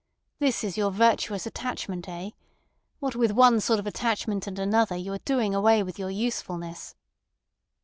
This is your virtuous attachment—eh? What with one sort of attachment and another you are doing away with your usefulness."